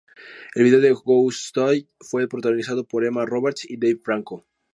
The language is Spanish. El video de "Go outside" fue protagonizado por Emma Roberts y Dave Franco